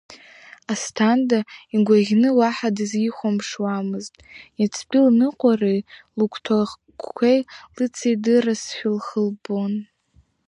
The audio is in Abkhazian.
Асҭанда игәаӷьны уаҳа дызихәаԥшуамызт, иацтәи лныҟәареи лыгәҭакқәеи лыҵидыраазшәа лхы лбон.